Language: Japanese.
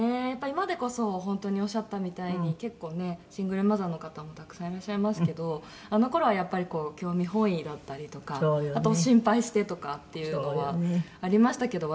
「今でこそ本当におっしゃったみたいに結構ねシングルマザーの方もたくさんいらっしゃいますけどあの頃はやっぱり興味本位だったりとかあと心配してとかっていうのはありましたけど」